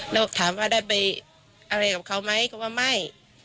แล้วถามว่าได้ไปอะไรกับเขาไหมเขาว่าไม่